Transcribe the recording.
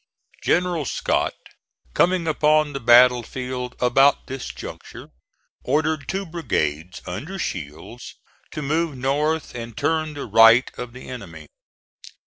General Scott coming upon the battle field about this juncture, ordered two brigades, under Shields, to move north and turn the right of the enemy.